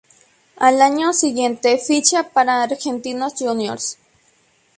Al año siguiente, ficha para Argentinos Juniors.